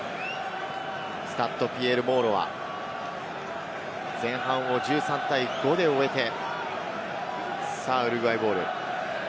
スタッド・ピエール・モーロイ、前半を１３対５で終えて、さぁ、ウルグアイボール。